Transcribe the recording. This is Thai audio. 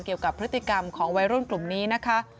เกี่ยวกับพฤติกรรมของวัยรุ่นกลุ่มนี้นะคะ